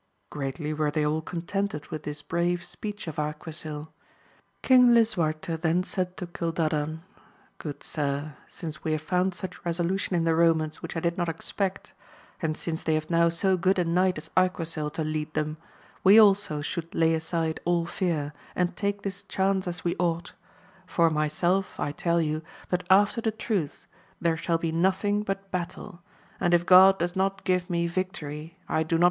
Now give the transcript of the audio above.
Greatly were they all contented with this brave speech of Arquisil : King Lisuajrte then said to Cildadan, Good sir, since We have foun^ such resolu tion in the Romans, which I did not expe^ct, and since they have now so good a knight as Ajq^uisil to lead them, we also should lay aside all fear, arJ'nd take this chance as we ought : for myself, I tell yo u, that after the truce, there shall be nothing but ht ittle ; and if God does not give me victory, I do not